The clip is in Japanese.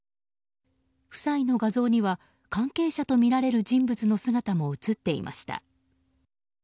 夫妻の画像には関係者とみられる人物の姿も写っていました。